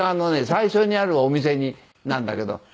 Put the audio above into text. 最初にあるお店になんだけど。